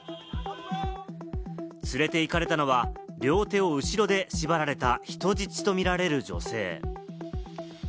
連れて行かれたのは、両手を後ろで縛られた人質と見られる女性。